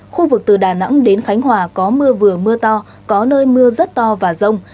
khu vực từ đà nẵng đến khánh hòa có mưa vừa mưa to có nơi mưa rất to và rông